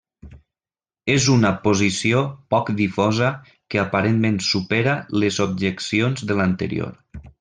És una posició poc difosa, que aparentment supera les objeccions de l'anterior.